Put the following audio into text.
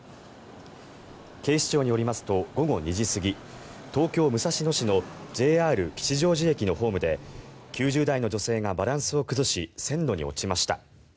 警視庁によりますと午後２時過ぎ東京・武蔵野市のＪＲ吉祥寺駅のホームで９０代の女性がバランスを崩し線路に落ちました。